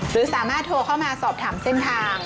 หรือสามารถโทรเข้ามาสอบถามเส้นทาง